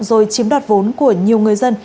rồi chiếm đoạt vốn của nhiều người dân